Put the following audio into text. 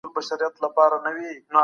سپوږمۍ پر هسک ولاړه ده.